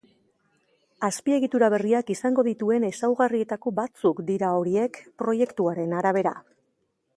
Azpiegitura berriak izango dituen ezaugarrietako batzuk dira horiek, proiektuaren arabera.